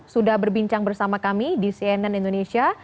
sudah berbincang bersama kami di cnn indonesia